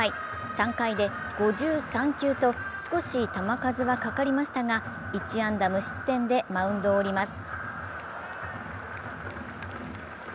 ３回で５３球と少し球数はかかりましたが１安打無失点でマウンドを降ります